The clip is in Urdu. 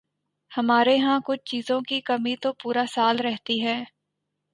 ہمارے ہاں کچھ چیزوں کی کمی تو پورا سال رہتی ہے۔